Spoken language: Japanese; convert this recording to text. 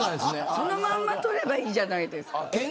そのまま取ればいいじゃないですか。